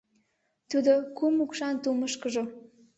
Тудо кум укшан тумышкыжо